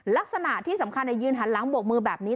ลักษณะที่สำคัญยืนหันหลังโบกมือแบบนี้